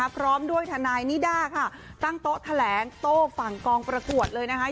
พร้อมด้วยทนายนิด้าค่ะตั้งโต๊ะแถลงโต้ฝั่งกองประกวดเลยนะคะ